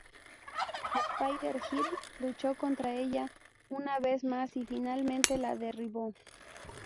Spider-Girl luchó contra ella una vez más y finalmente la derribó.